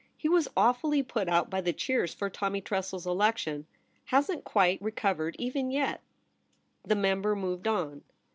He was awfully put out by the cheers for Tommy Tressel's election — hasn't quite recovered even yet.' The mem.ber moved on.